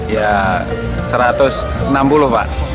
ya satu ratus enam puluh pak